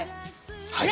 はい。